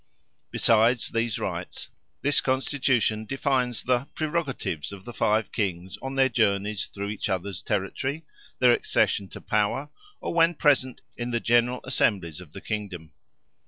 Besides these rights, this constitution defines the "prerogatives" of the five Kings on their journeys through each other's territory, their accession to power, or when present in the General Assemblies of the Kingdom.